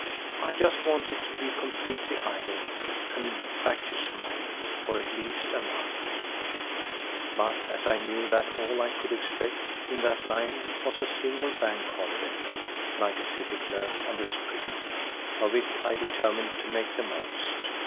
I just wanted to be completely idle and vacuous minded for at least a month, but as I knew that all I could expect in that line was a single bank holiday, like a City clerk on the spree, of it I determined to make the most.